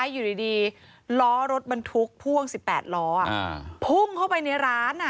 อยู่ดีล้อรถบรรทุกพ่วงสิบแปดล้ออ่ะพุ่งเข้าไปในร้านอ่ะ